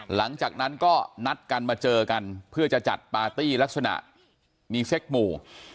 หลังจากนั้นก็นัดกันมาเจอกันเพื่อจะจัดปาร์ตี้ลักษณะมีเซ็กหมู่